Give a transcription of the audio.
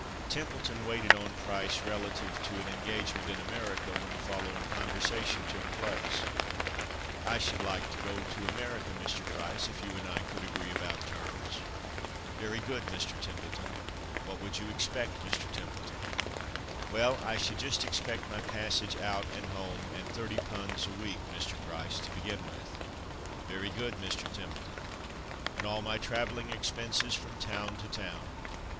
Templeton waited on Price relative to an engagement in America, when the following conversation took place: "I should like to go to America, Mr. Price, if you and I could agree about terms." "Very good, Mr. Templeton. What would you expect, Mr. Templeton?" "Well, I should just expect my passage out and home, and thirty 'punds' a week, Mr. Price, to begin with." "Very good, Mr. Templeton." "And all my travelling expenses, from toun to toun."